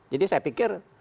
jadi saya pikir